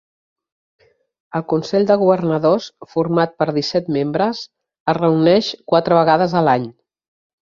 El Consell de Governadors, format per disset membres, es reuneix quatre vegades a l'any.